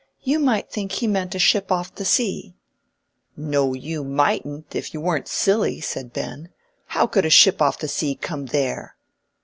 "You might think he meant a ship off the sea." "No, you mightn't, if you weren't silly," said Ben. "How could a ship off the sea come there?"